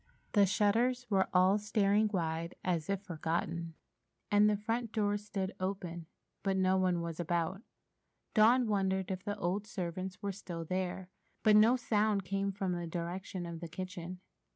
The shutters were all staring wide, as if forgotten, and the front door stood open, but no one was about. Dawn wondered if the old servants were still there, but no sound came from the direction of the kitchen.